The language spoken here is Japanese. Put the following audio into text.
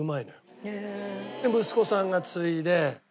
で息子さんが継いで。